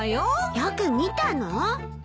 よく見たの？